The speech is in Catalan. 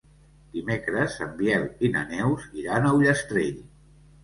Dimecres en Biel i na Neus iran a Ullastrell.